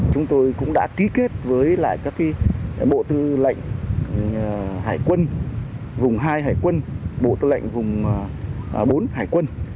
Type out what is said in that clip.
chúng tôi cũng đã ký kết với lại các bộ tư lệnh hải quân vùng hai hải quân bộ tư lệnh vùng bốn hải quân